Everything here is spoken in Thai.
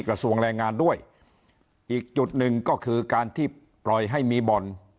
กระทรวงแรงงานด้วยอีกจุดหนึ่งก็คือการที่ปล่อยให้มีบ่อน